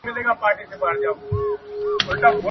په پوځ کي کوم ډول وسلې کارول کيدې؟